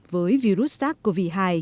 với virus sars cov hai